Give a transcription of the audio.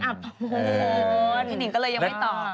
มันอับปะมงคลนี่ก็เลยยังไม่ตอบ